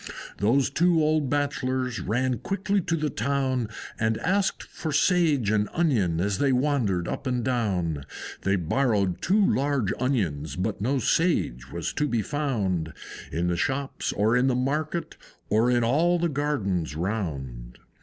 Those two old Bachelors ran quickly to the town And asked for Sage and Onion as they wandered up and down; They borrowed two large Onions, but no Sage was to be found In the Shops, or in the Market, or in all the Gardens round.